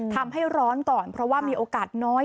ทำให้ร้อนก่อนเพราะว่ามีโอกาสน้อย